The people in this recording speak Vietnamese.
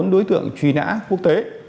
bốn đối tượng truy nã quốc tế